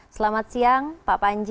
selamat siang pak panji